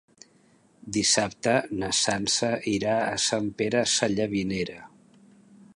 Dissabte na Sança irà a Sant Pere Sallavinera.